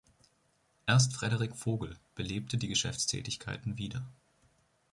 Erst Frederik Vogel belebte die Geschäftstätigkeiten wieder.